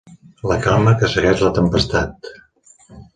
La calma que segueix la tempestat.